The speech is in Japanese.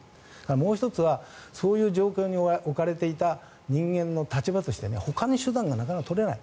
もう１つはそういう状況に置かれていた人間の立場としてほかに手段がなかなか取れない。